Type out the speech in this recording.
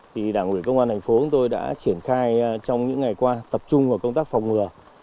thì đảng ủy công an thành phố của tôi đã triển khai trong những ngày qua tập trung vào công tác phòng ngừa